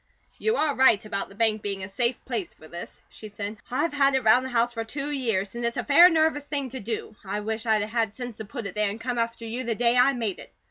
"You are right about the bank being a safe place for this," she said. "I've had it round the house for two years, and it's a fair nervous thing to do. I wish I'd a had sense to put it there and come after you the day I made it.